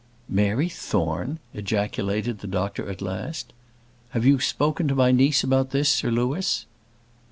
"Mary Thorne!" ejaculated the doctor at last. "Have you spoken to my niece about this, Sir Louis?"